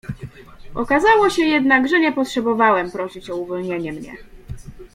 "Okazało się jednak, że nie potrzebowałem prosić o uwolnienie mnie."